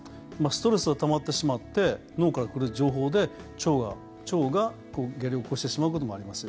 ストレスがたまってしまって脳から来る情報で腸が下痢を起こしてしまうこともあります。